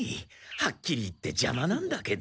はっきり言ってジャマなんだけど。